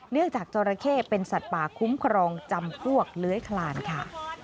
จากจราเข้เป็นสัตว์ป่าคุ้มครองจำพวกเลื้อยคลานค่ะ